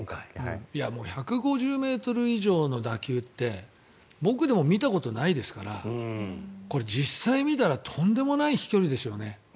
もう１５０ｍ以上の打球って僕でも見たことないですから実際見たらとんでもない飛距離ですよね。